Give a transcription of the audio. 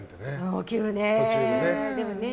起きるね。